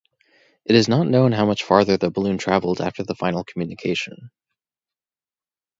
It is not known how much farther the balloon traveled after the final communication.